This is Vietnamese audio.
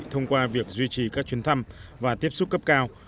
thông qua việc duy trì các chuyến thăm và tiếp xúc cấp cao